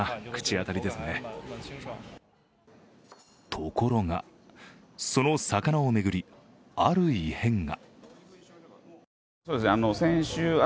ところが、その魚を巡りある異変が。